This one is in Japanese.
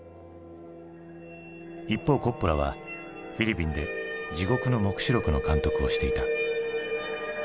一方コッポラはフィリピンで「地獄の黙示録」の監督をしていた。